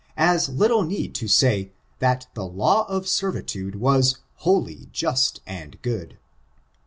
As little need to say, that the law of servitude was "holy, just, and good."